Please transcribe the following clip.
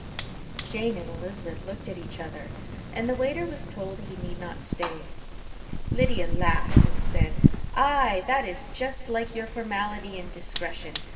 Jane and Elizabeth looked at each other, and the waiter was told that he need not stay. Lydia laughed, and said, "Ay, that is just like your formality and discretion.